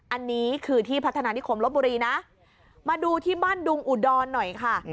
อันนี้คือที่พัฒนานิคมลบบุรีนะมาดูที่บ้านดุงอุดรหน่อยค่ะ